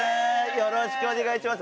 よろしくお願いします。